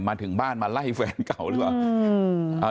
มาถึงบ้านมาไล่แฟนเก่าหรือเปล่า